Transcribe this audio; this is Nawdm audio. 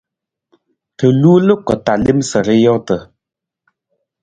Ra luu loko ta lem sa ra joota.